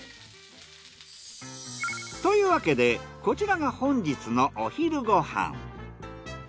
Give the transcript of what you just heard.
というわけでこちらが本日のお昼ご飯。